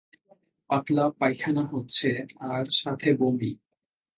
পাতলা পায়খানা হচ্ছে আর সাথে বমি।